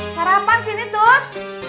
sarapan sini tut